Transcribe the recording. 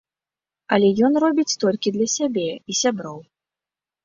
Але ён робіць толькі для сябе і сяброў.